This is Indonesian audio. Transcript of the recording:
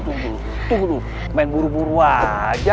tunggu dulu main buru buru aja